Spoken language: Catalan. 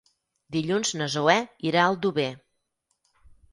Dilluns na Zoè irà a Aldover.